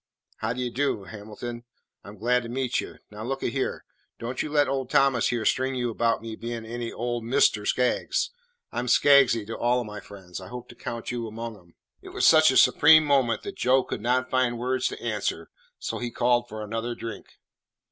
"Why, how d' ye do, Hamilton? I 'm glad to meet you. Now, look a here; don't you let old Thomas here string you about me bein' any old 'Mr!' Skaggs. I 'm Skaggsy to all of my friends. I hope to count you among 'em." It was such a supreme moment that Joe could not find words to answer, so he called for another drink.